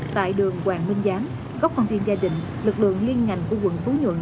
tại đường hoàng minh giám góc con viên gia đình lực lượng liên ngành của quận phú nhuận